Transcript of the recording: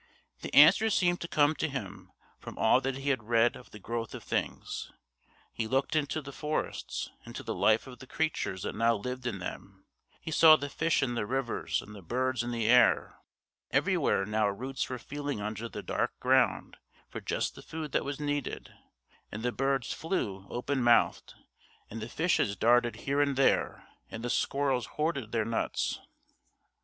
The answer seemed to come to him from all that he had read of the growth of things. He looked into the forests, into the life of the creatures that now lived in them; he saw the fish in the rivers and the birds in the air, everywhere now roots were feeling under the dark ground for just the food that was needed, and the birds flew open mouthed, and the fishes darted here and there, and the squirrels hoarded their nuts.